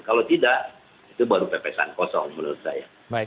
kalau tidak itu baru pepesan kosong menurut saya